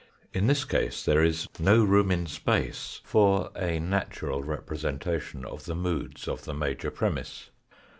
In this case there is no room in space for a natural representation of the moods of the major premiss.